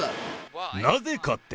なぜかって？